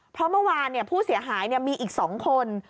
เพราะเมื่อวานผู้เสียหายมีอีก๒คน